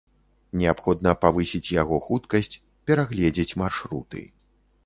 Неабходна павысіць яго хуткасць, перагледзець маршруты.